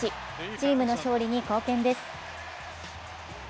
チームの勝利に貢献です。